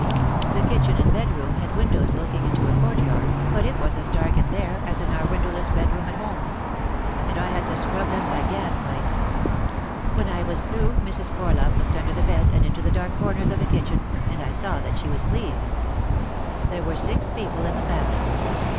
The kitchen and bedroom had windows looking into a courtyard but it was as dark in there as in our window less bedroom at home. And I had to scrub them by gas light. When I was through Mrs. Corlove looked under the bed and into the dark corners of the kitchen, and I saw that she was pleased. There were six people in the family.